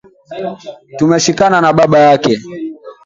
Tumeshikana na baba yake